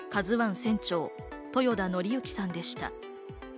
船長・豊田徳幸さんでした。